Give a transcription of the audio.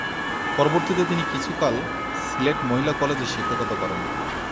পরবর্তীতে তিনি কিছুকাল সিলেট মহিলা কলেজে শিক্ষকতা করেন।